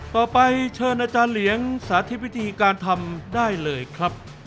ต่อไปเชิญอาจารย์เหลียงสาธิตวิธีการทำได้เลยครับ